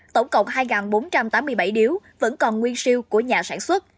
tổng cộng hai bốn trăm tám mươi bảy điếu vẫn còn nguyên siêu của nhà sản xuất